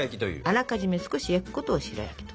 あらかじめ少し焼くことを白焼きと。